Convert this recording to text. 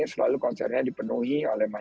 selalu konsernya dipenuhi